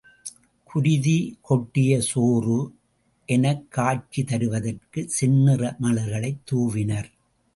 குருதி கொட்டிய சோறு எனக்காட்சி தருவதற்குச் செந்நிற மலர்களைத் தூவினர்.